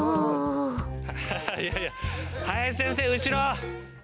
ああいやいや林先生後ろ！